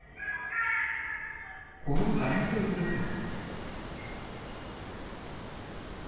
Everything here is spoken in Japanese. この男性こそが。